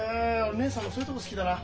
義姉さんのそういうとこ好きだな。